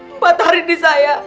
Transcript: empat hari di saya